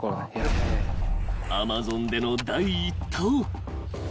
［アマゾンでの第一投］